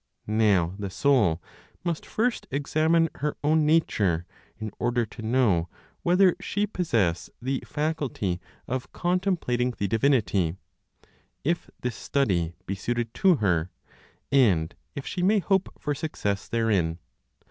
Now the soul must first examine her own nature in order to know whether she possess the faculty of contemplating the divinity, if this study be suited to her, and if she may hope for success therein.